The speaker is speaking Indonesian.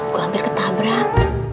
gue hampir ketabrak